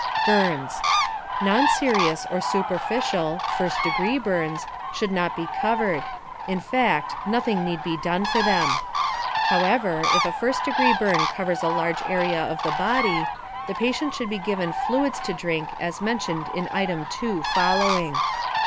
BURNS Non serious or superficial (first degree) burns should not be covered in fact, nothing need be done for them. However, if a first degree burn covers a large area of the body, the patient should be given fluids to drink as mentioned in item 2 following.